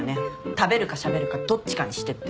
食べるかしゃべるかどっちかにしてって。